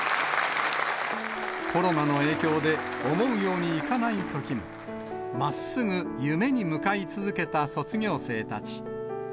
コロナの影響で、思うようにいかないときも、まっすぐ夢に向かい続けた卒業生たち。